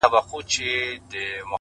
o ماته يې په نيمه شپه ژړلي دي ـ